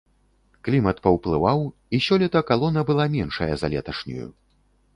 Клімат паўплываў, і сёлета калона была меншая за леташнюю.